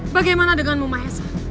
bagaimana denganmu mahesa